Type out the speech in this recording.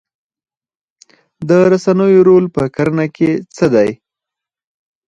د رسنیو رول په کرنه کې څه دی؟